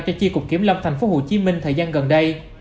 cho chi cục kiểm lâm tp hcm thời gian gần đây